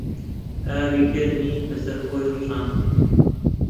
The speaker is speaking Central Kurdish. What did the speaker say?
ئاوی گەرمی بەسەر خۆی ڕژاند.